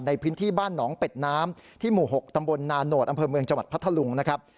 ในพื้นที่บ้านหนองเป็ดน้ำที่หมู่๖ตำบลนาโนธอำเภอเมืองจังหวัดพัทธลุงนะครับ